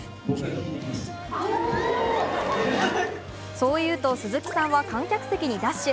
そう言うと鈴木さんは観客席にダッシュ。